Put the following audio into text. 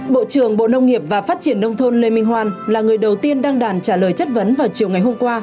bộ trưởng bộ nông nghiệp và phát triển nông thôn lê minh hoan là người đầu tiên đăng đàn trả lời chất vấn vào chiều ngày hôm qua